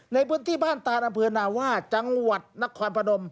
ในพื้นที่บ้านตานอำเภอนาว่าจังหวัดนครพนม